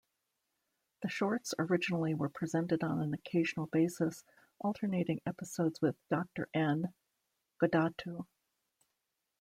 The shorts originally were presented on an occasional basis, alternating episodes with "Doctor N!Godatu".